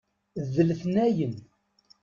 D letnayen.